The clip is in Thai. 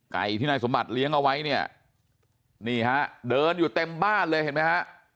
ที่นายสมบัติเลี้ยงเอาไว้เนี่ยนี่ฮะเดินอยู่เต็มบ้านเลยเห็นไหมฮะ